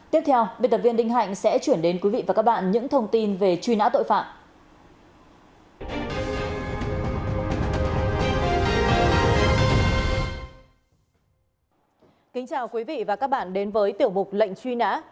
kính chào quý vị và các bạn đến với tiểu mục lệnh truy nã